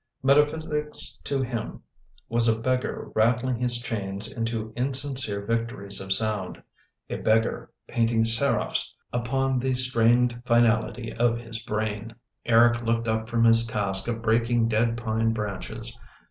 Metaphysics, to him, was a beggar rattling his chains into insincere victories of sound — a beggar painting seraphs upon the strained finality of his brain. Eric looked up from his task of breaking dead pine branches.